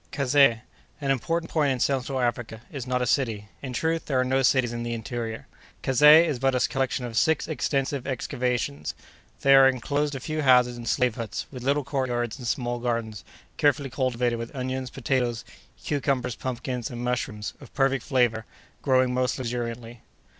Kazeh, an important point in Central Africa, is not a city; in truth, there are no cities in the interior. Kazeh is but a collection of six extensive excavations. There are enclosed a few houses and slave huts, with little courtyards and small gardens, carefully cultivated with onions, potatoes, cucumbers, pumpkins, and mushrooms, of perfect flavor, growing most luxuriantly.